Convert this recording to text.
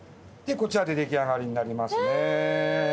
こちらで出来上がりになりますね。